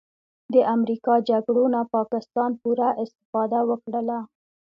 د امریکا جګړو نه پاکستان پوره استفاده وکړله